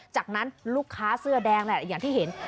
จากนั้นลูกค้าเสื้อแดงแหละอย่างที่เห็น